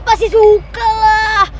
ya pasti suka lah